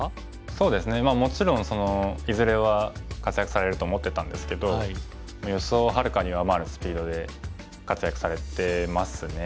そうですねもちろんいずれは活躍されると思ってたんですけど予想をはるかに上回るスピードで活躍されてますね。